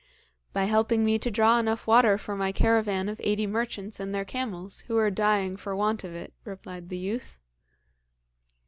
'By helping me to draw enough water for my caravan of eighty merchants and their camels, who are dying for want of it,' replied the youth.